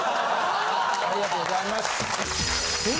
ありがとうございます。